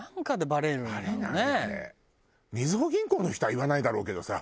みずほ銀行の人は言わないだろうけどさ。